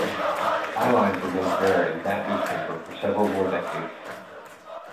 Bylines remained rare in that newspaper for several more decades.